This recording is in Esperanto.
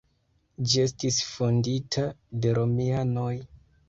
Ĝi estis fondita de romianoj.